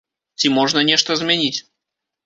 Ці можна нешта змяніць?